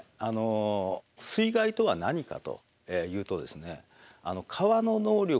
水害とは何かというとですね